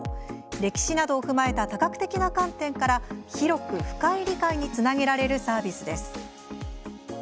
歴史などを踏まえた多角的な観点から広く深い理解につなげられるサービスです。